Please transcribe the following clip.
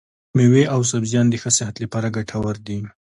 مېوې او سبزيان د ښه صحت لپاره ګټور دي.